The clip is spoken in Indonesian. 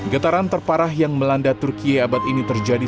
getaran terparah yang melanda turki abad ini terjadi